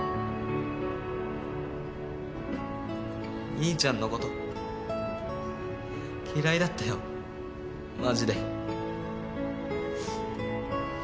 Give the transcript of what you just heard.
兄ちゃんのこと嫌いだったよマジで。